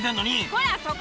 こらそこ！